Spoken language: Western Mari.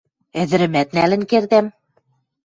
Ӹдӹрӹмӓт нӓлӹн кердӓм.